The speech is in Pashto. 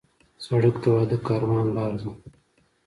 سړک د واده د کاروان لار ده.